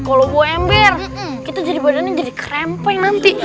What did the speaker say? kalau bawa ember kita jadi badannya jadi krempeng nanti